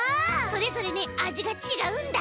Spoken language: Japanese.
それぞれねあじがちがうんだ！